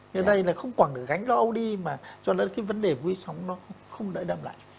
người ta không quảng được gánh lo âu đi mà cho nên cái vấn đề vui sống nó không đợi đâm lại